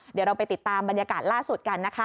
เดี๋ยวเราไปติดตามบรรยากาศล่าสุดกันนะคะ